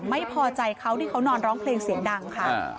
ไม่พอใจเขาที่เขานอนร้องเพลงเสียงดังค่ะ